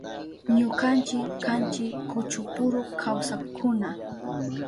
Ñukanchi kanchi kuchupuru kawsakkuna.